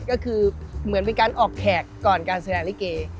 ก็คือเหมือนเป็นการออกแขกก่อนการแสดงลิเก